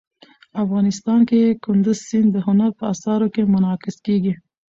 افغانستان کې کندز سیند د هنر په اثار کې منعکس کېږي.